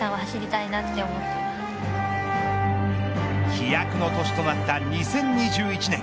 飛躍の年となった２０２１年。